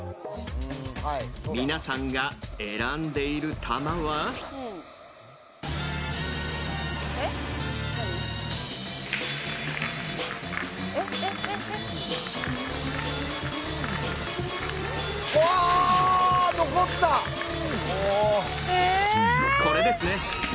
皆さんが選んでいる球はこれですね。